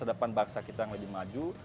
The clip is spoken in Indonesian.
ke depan bangsa kita yang lebih maju